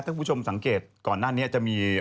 ถ้าคุณผู้ชมสังเกตก่อนหน้านี้จะมี